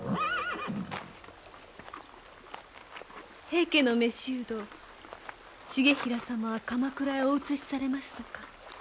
平家の囚人重衡様は鎌倉へお移しされますとか？